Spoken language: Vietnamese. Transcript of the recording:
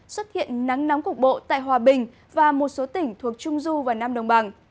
xuất hiện nắng nóng cục bộ tại hòa bình và một số tỉnh thuộc trung du và nam đồng bằng